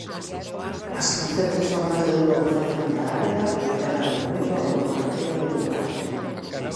As recentes obras de urbanización da área alteraron moito a orografía do lugar.